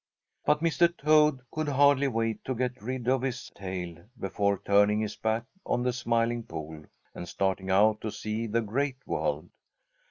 But Mr. Toad could hardly wait to get rid of his tail before turning his back on the Smiling Pool and starting out to see the Great World.